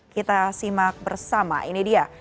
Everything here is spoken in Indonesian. kita simak bersama ini dia